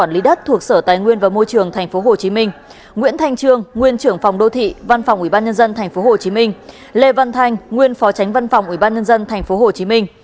lê văn thanh nguyên phó tránh văn phòng ủy ban nhân dân tp hcm